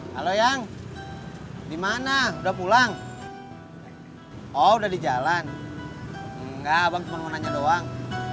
halo yang dimana udah pulang oh udah di jalan enggak bangsa nanya doang